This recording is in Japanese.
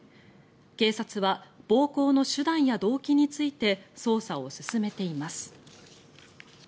警察は暴行の手段や動機について捜査を進めています。